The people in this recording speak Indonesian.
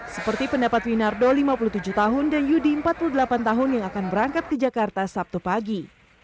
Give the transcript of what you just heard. seperti pendapat winardo lima puluh tujuh tahun dan yudi empat puluh delapan tahun yang akan berangkat ke jakarta sabtu pagi